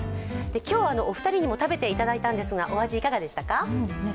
本日、お二人にも食べていただいたんですがお味いかがでしたか？